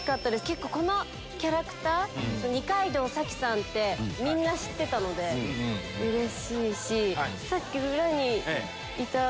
結構このキャラクター二階堂サキさんってみんな知ってたのでうれしいし。